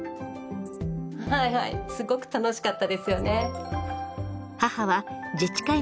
はいはいすごく楽しかったですよね。